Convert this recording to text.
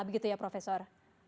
begitu ya profesor